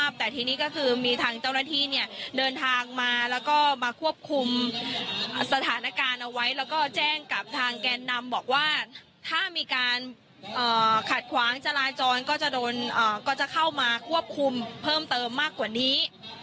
สถานการณ์เอาไว้แล้วก็แจ้งกับทางแก่นนำบอกว่าถ้ามีการขัดขวางจรายจรก็จะเข้ามาควบคุมเพิ่มเติมมากกว่านี้